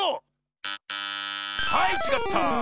はいちがった。